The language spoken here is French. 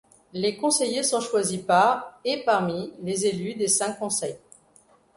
Les conseillers sont choisis par et parmi les élus des cinq conseils.